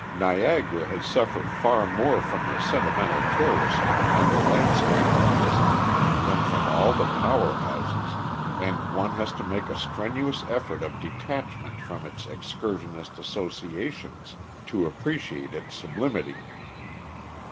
Niagara has suffered far more from the sentimental tourist and the landscape artist than from all the power houses, and one has to make a strenuous effort of detachment from its excursionist associations to appreciate its sublimity.